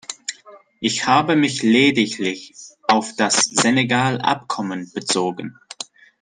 Ich habe mich lediglich auf das Senegal-Abkommen bezogen.